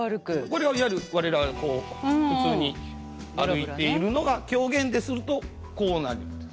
これはいわゆる我らがこう普通に歩いているのが狂言でするとこうなるんです。